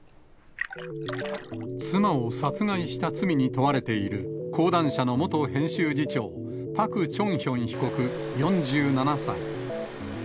妻を殺害した罪に問われている講談社の元編集次長、パク・チョンヒョン被告４７歳。